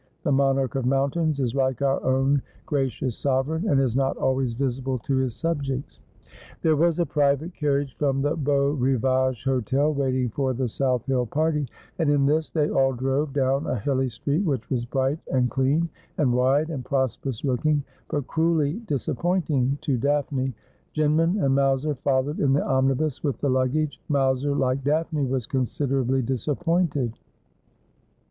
The monarch of mountains is like our own gra cious sovereign, and is not always visible to his subjects.' There was a private carriage from the Beau Rivage Hotel waiting for the South Hill party, and in this they all drove down a hilly street, which was bright and clean, and wide, and prosperous looking, but cruelly disappointing to Daphne. Jin man and Mowser followed in the omnibus with the luggage. Mowser, like Daphne, was considerably disappointed.